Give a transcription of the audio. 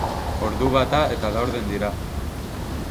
Ordu bata eta laurden dira.